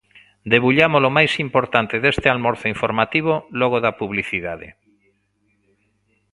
Debullamos o máis importante deste almorzo informativo logo da publicidade.